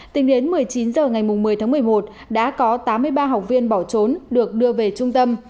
tính đến một mươi chín h ngày một mươi tháng một mươi một đã có tám mươi ba học viên bỏ trốn được đưa về trung tâm